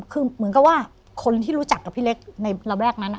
คือเหมือนกับว่าคนที่รู้จักกับพี่เล็กในระแวกนั้น